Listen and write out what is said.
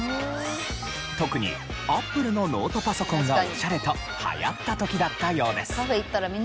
特にＡｐｐｌｅのノートパソコンがオシャレと流行った時だったようです。